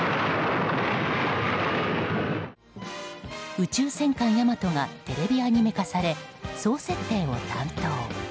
「宇宙戦艦ヤマト」がテレビアニメ化され総設定を担当。